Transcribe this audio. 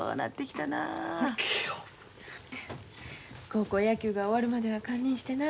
高校野球が終わるまでは堪忍してな。